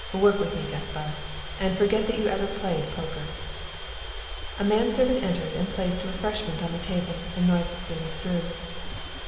Work with me, Gaspar, and forget that you ever played poker." A manservant entered and placed refreshment on the table and noiselessly withdrew.